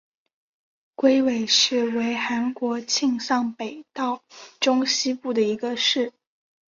龟尾市为韩国庆尚北道中西部的一个市。